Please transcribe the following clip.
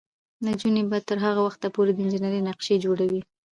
نجونې به تر هغه وخته پورې د انجینرۍ نقشې جوړوي.